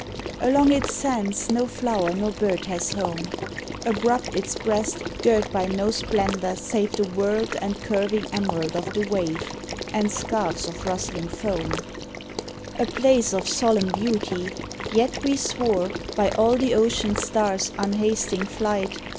Along its sands no flower nor bird has home. Abrupt its breast, girt by no splendor save The whorled and curving emerald of the wave And scarves of rustling foam — A place of solemn beauty; yet we swore, By all the ocean stars' unhasting flight.